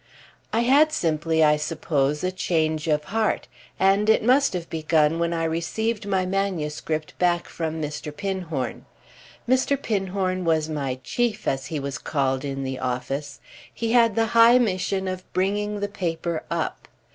I had simply, I suppose, a change of heart, and it must have begun when I received my manuscript back from Mr. Pinhorn. Mr. Pinhorn was my "chief," as he was called in the office: he had the high mission of bringing the paper up.